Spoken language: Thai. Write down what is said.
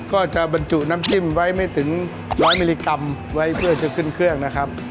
ก็จะบรรจุน้ำจิ้มไว้ไม่ถึงร้อยมิลลิกรัมไว้เพื่อจะขึ้นเครื่องนะครับ